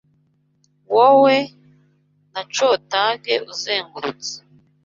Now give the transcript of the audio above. Wowe, na Cotage uzengurutse